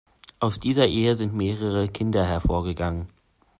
Aus dieser Ehe sind mehrere Kinder hervorgegangen.